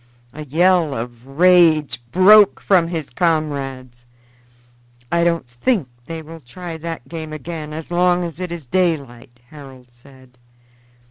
A yell of rage broke from his comrades. "I don't think they will try that game again as long as it is daylight," Harold said.